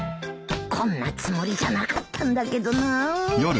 こんなつもりじゃなかったんだけどなぁ。